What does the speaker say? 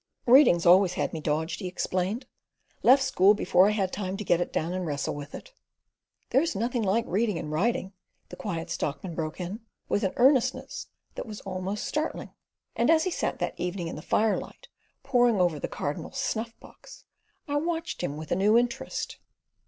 "Reading's always had me dodged," he explained. "Left school before I had time to get it down and wrestle with it." "There's nothing like reading and writing," the Quiet Stockman broke in, with an earnestness that was almost startling; and as he sat that evening in the firelight poring over the "Cardinal's Snuff box," I watched him with a new interest.